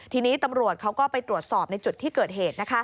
ทีนี้ตำรวจเขาก็ไปตรวจสอบในจุดที่เกิดเหตุ